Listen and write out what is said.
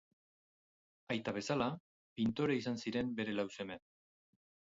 Aita bezala, pintore izan ziren bere lau seme.